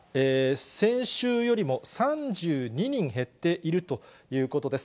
先週よりも３２人減っているということです。